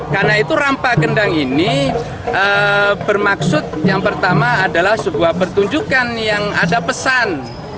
karena itu rampak kendang ini bermaksud yang pertama adalah sebuah pertunjukan yang ada pesan